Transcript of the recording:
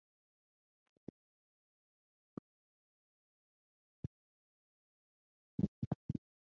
These snakes can decide how much venom to inject depending on the circumstances.